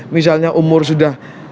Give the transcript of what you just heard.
misalnya umur sudah